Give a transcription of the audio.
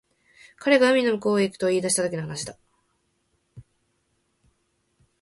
彼が海の向こうに行くと言い出したときの話だ